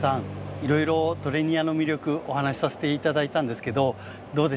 いろいろトレニアの魅力お話しさせて頂いたんですけどどうでしたか？